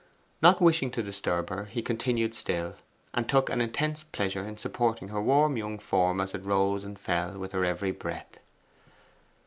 Not wishing to disturb her, he continued still, and took an intense pleasure in supporting her warm young form as it rose and fell with her every breath.